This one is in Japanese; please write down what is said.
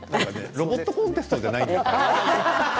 ロボットコンテストじゃないから。